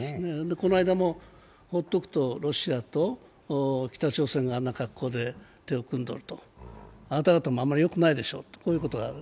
この間も放っておくとロシアと北朝鮮がここで手を組んでいると、あなたがたもあまり良くないでしょうと、こういうことがある。